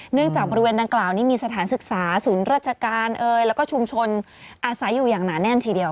จากบริเวณดังกล่าวนี้มีสถานศึกษาศูนย์ราชการแล้วก็ชุมชนอาศัยอยู่อย่างหนาแน่นทีเดียว